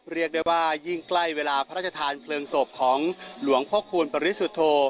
เรียกได้ว่ายิ่งใกล้เวลาพระราชทานเพลิงศพของหลวงพ่อคูณปริสุทธโธ